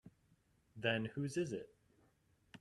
Then whose is it?